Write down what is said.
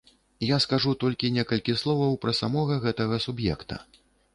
Я скажу толькі некалькі словаў пра самога гэтага суб'екта.